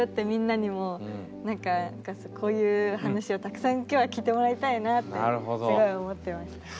みんなにも何かこういう話をたくさん今日は聞いてもらいたいなってすごい思ってます。